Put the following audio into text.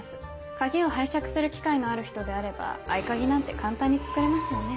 鍵を拝借する機会のある人であれば合鍵なんて簡単に作れますよね。